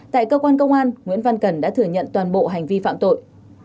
tại cơ quan công an nguyễn văn cần đã thừa nhận toàn bộ hành vi phạm tội